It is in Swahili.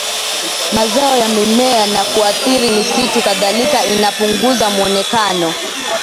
mazao ya mimea na kuathiri misitu Kadhalika inapunguza mwonekano